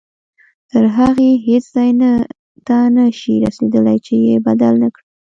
تر هغې هیڅ ځای ته نه شئ رسېدلی چې یې بدل نه کړئ.